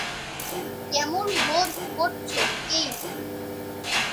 কেমন বোধ করছো, কেইন?